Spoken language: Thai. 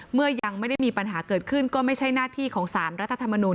เมื่อยังไม่ได้มีปัญหาเกิดขึ้นก็ไม่ใช่หน้าที่ของสารรัฐธรรมนูล